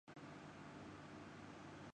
موسم سرما میں خشک میوہ جات کی مانگ میں اضافہ